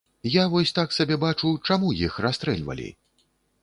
Я вось так сабе бачу, чаму іх расстрэльвалі?